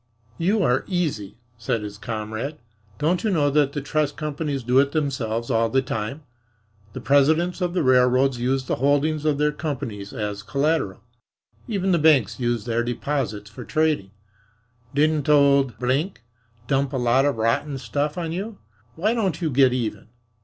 "You are easy," said his comrade. "Don't you know that the trust companies do it themselves all the time? The presidents of the railroads use the holdings of their companies as collateral. Even the banks use their deposits for trading. Didn't old dump a lot of rotten stuff on you? Why don't you get even?